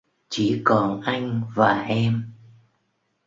Chỉ còn anh và em